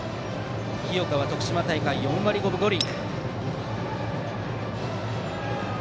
日岡は徳島大会４割５分５厘。